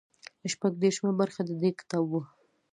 شپږ دېرشمه برخه د دې کتاب وو.